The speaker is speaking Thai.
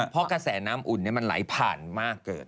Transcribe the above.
เพราะกระแสน้ำอุ่นมันไหลผ่านมากเกิน